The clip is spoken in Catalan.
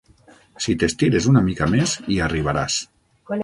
Si t'estires una mica més hi arribaràs.